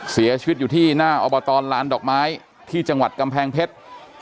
เสียชีวิตอยู่ที่หน้าอบตลานดอกไม้ที่จังหวัดกำแพงเพชร